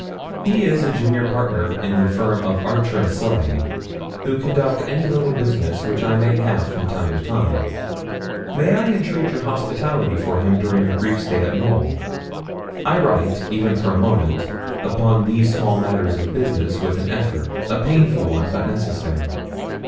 He is the junior partner in the firm of Archer and Sleigh, who conduct any little business which I may have from time to time; may I entreat your hospitality for him during a brief stay at Knowl? I write, even for a moment, upon these small matters of business with an effort a painful one, but necessary.